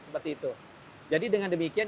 seperti itu jadi dengan demikian